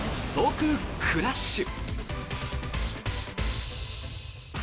即クラッシュ。